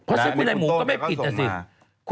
อ่าคุณต้องก็ส่งมา